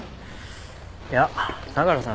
いや相良さん